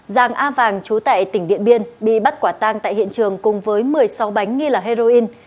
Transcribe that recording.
giàng a vàng trú tại tỉnh điện biên bị bắt quả tang tại hiện trường cùng với một mươi sáu bánh nghi là heroin